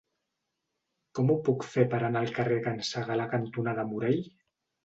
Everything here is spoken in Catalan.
Com ho puc fer per anar al carrer Can Segalar cantonada Morell?